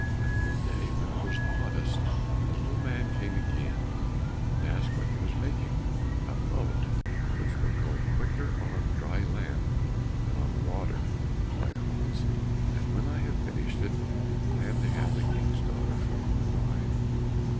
At mid day, when it was the hottest, the little man came again, and asked what he was making? "A boat which will go quicker on dry land than on the water," replied Hans, "and when I have finished it, I am to have the King's daughter for my wife."